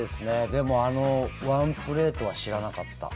でも、あのワンプレートは知らなかった。